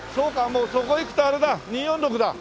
もうそこ行くとあれだ２４６だ！